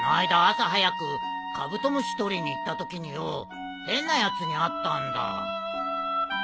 朝早くカブトムシ捕りに行ったときによう変なやつに会ったんだ。